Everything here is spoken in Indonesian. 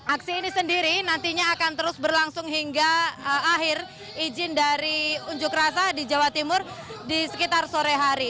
aksi ini sendiri nantinya akan terus berlangsung hingga akhir izin dari unjuk rasa di jawa timur di sekitar sore hari